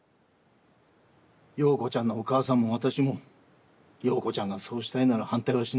陽子ちゃんのお母さんも私も陽子ちゃんがそうしたいなら反対はしない。